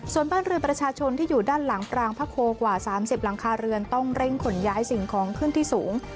ส่วนบ้านเรือนประชาชนที่อยู่ด้านหลังปรางพระโคกว่า๓๐หลังคาเรือนต้องเร่งขนย้ายสิ่งของขึ้นที่สูง